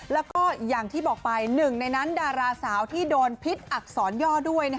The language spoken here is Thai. แล้วก็อย่างที่บอกไปหนึ่งในนั้นดาราสาวที่โดนพิษอักษรย่อด้วย